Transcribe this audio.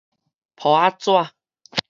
簿仔紙